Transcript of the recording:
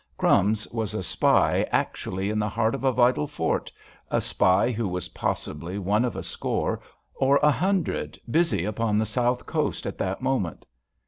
"Crumbs" was a spy actually in the heart of a vital fort, a spy who was possibly one of a score, or a hundred, busy upon the South Coast at that moment.